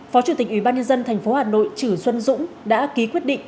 phó chủ tịch ủy ban nhân dân tp hà nội trữ xuân dũng đã ký quyết định